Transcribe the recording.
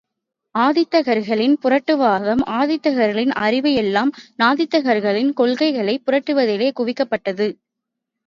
ஆத்திகர்களின் புரட்டுவாதம் ஆத்திகர்களின் அறிவு எல்லாம், நாத்திகர்களின் கொள்கைளை புரட்டுவதிலேயே குவிக்கப்பட்டது.